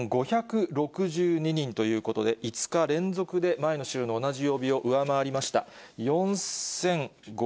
４５６２人ということで、５日連続で前の週の同じ曜日を上回りました。